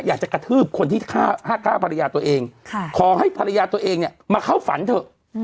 กระทืบคนที่ฆ่าภรรยาตัวเองขอให้ภรรยาตัวเองเนี่ยมาเข้าฝันเถอะ